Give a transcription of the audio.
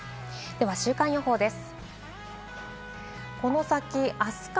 週間予報です。